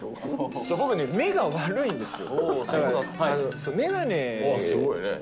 僕ね、目が悪いんですよ。